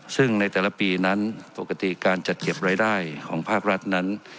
ซึ่งในแต่ละปีนั้นปกติการจัดเก็บรายได้ของภาครัฐนั้น